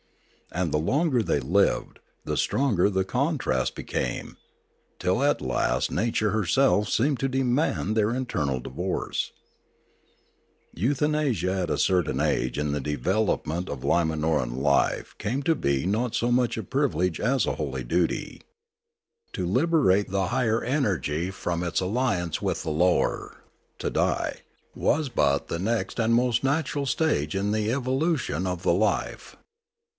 And the longer they lived, the stronger the contrast became, till at last nature herself seemed to demand their eternal divorce. Euthanasia at a certain stage in the development of Limanoran life came to be not so much a privilege as a holy duty. To liberate the higher energy from its alliance with the lower, to die, was but the next and most natural stage in the evolu tion of the life.